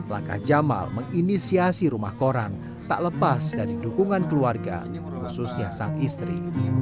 langkah jamal menginisiasi rumah koran tak lepas dari dukungan keluarga khususnya sang istri